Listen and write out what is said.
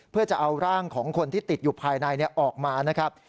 เพื่อจะเอาร่างของคนที่ติดอยู่ภายในออกมานะครับ